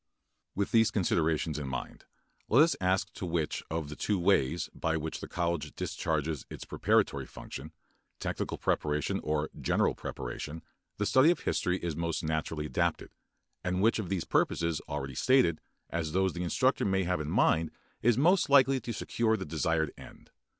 With these considerations in mind let us ask to which of the two ways by which the college discharges its preparatory function, technical preparation or general preparation, the study of history is most naturally adapted, and which of the purposes already stated as those the instructor may have in mind is most likely to secure the desired end.